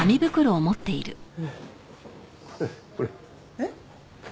えっ？